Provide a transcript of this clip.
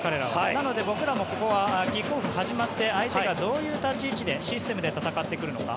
なので僕らもここはキックオフ始まって相手がどういう立ち位置でシステムで戦ってくるのか。